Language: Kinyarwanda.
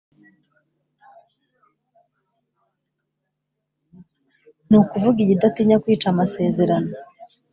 ni ukuvuga iyi idatinya kwica amasezerano,